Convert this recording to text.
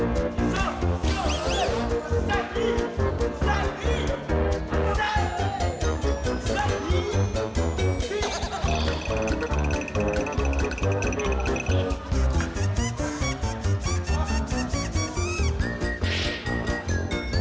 สวัสดีสวัสดีสวัสดีสวัสดี๓